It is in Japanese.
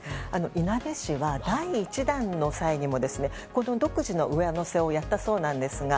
いなべ市は、第１弾の際にも独自の上乗せをやったそうですが